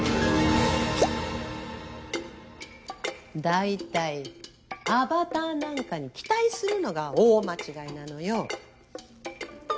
だいたいアバターなんかに期待するのが大間違いなのよ。